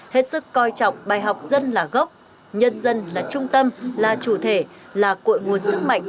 hết sức coi trọng bài học dân là gốc nhân dân là trung tâm là chủ thể là cội nguồn sức mạnh